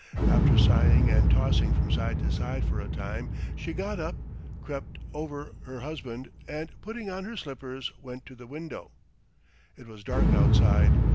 After sighing and tossing from side to side for a time, she got up, crept over her husband, and putting on her slippers, went to the window. It was dark outside.